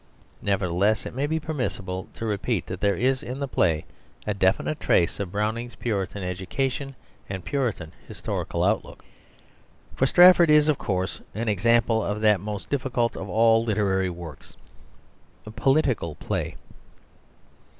Nevertheless, it may be permissible to repeat that there is in the play a definite trace of Browning's Puritan education and Puritan historical outlook. For Strafford is, of course, an example of that most difficult of all literary works a political play.